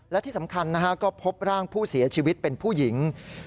และที่สำคัญนะฮะก็พบร่างผู้เสียชีวิตเป็นผู้หญิง